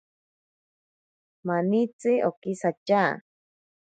Manitsi okisatya.